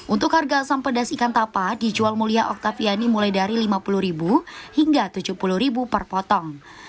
untuk harga asam pedas ikan tapa dijual mulia oktaviani mulai dari rp lima puluh hingga rp tujuh puluh per potong